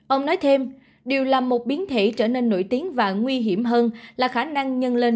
ông nói thêm điều là một biến thể trở nên nổi tiếng và nguy hiểm hơn là khả năng nhân lên